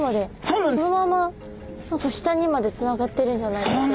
そのまま何か下にまでつながってるんじゃないかって。